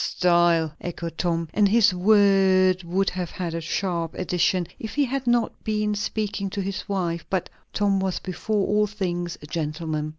"Style!" echoed Tom, and his word would have had a sharp addition if he had not been speaking to his wife; but Tom was before all things a gentleman.